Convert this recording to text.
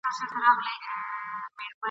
موږ له آدمزاده څخه شل میدانه وړي دي ..